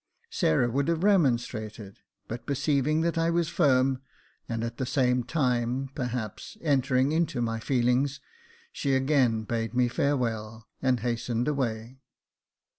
Sarah would have remonstrated, but perceiving that I was firm, and at the same time, perhaps, entering into my feelings, she again bade me farewell, and hastened away.